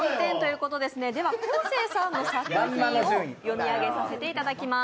では昴生さんの作品を読み上げさせていただきます。